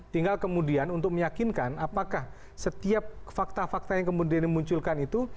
tinggal kemudian untuk meyakinkan apakah setiap fakta fakta yang kemudian dimunculkan itu